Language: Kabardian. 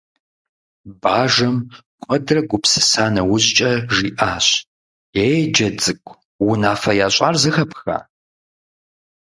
Бажэм, куэдрэ гупсыса нэужькӀэ жиӀащ: «Ей, Джэд цӀыкӀу, унэфэ ящӀар зэхэпха?».